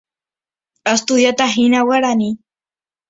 Astudiahína guarani.